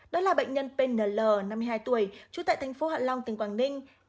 đó là bệnh nhân pn năm mươi hai tuổi trú tại thành phố hạ long tỉnh quảng ninh